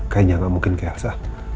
kayaknya tidak mungkin ke elsa